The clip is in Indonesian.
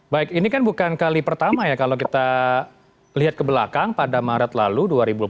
baik ini kan bukan kali pertama ya kalau kita lihat ke belakang pada maret lalu